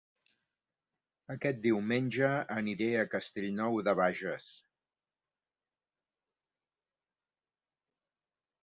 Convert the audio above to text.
Aquest diumenge aniré a Castellnou de Bages